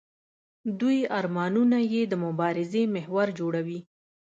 دوی ارمانونه یې د مبارزې محور جوړوي.